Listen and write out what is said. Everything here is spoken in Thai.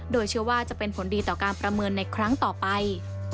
โดยเชื่อว่าจะเป็นผลดีต่อการประเมินในครั้งต่อไป